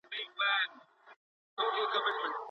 طبي کثافات څنګه سوځول کیږي؟